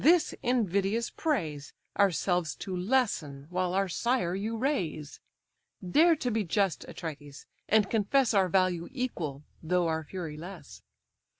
this invidious praise, Ourselves to lessen, while our sire you raise? Dare to be just, Atrides! and confess Our value equal, though our fury less.